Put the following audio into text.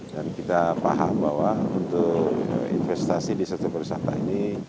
dan kita paham bahwa untuk investasi di satu perusahaan ini